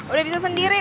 udah bisa sendiri